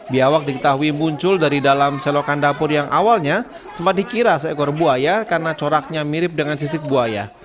biawak diketahui muncul dari dalam selokan dapur yang awalnya sempat dikira seekor buaya karena coraknya mirip dengan sisik buaya